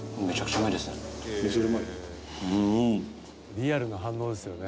「リアルな反応ですよね」